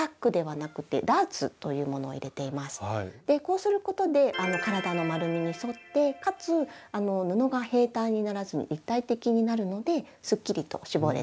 こうすることで体の丸みに沿ってかつ布が平たんにならずに立体的になるのですっきりと絞れたシルエットになります。